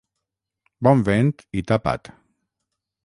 Bon vent i tapa't